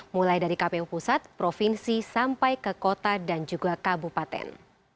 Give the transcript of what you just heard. mulai dari kpu pusat provinsi sampai ke kota dan juga kabupaten